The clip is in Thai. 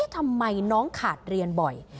ทำไมน้องขาดเรียนบ่อย